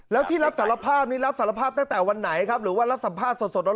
แล้วที่รับสารภาพนี้รับสารภาพตั้งแต่วันไหนครับหรือว่ารับสัมภาษณสด